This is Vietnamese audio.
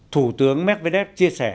thủ tướng medvedev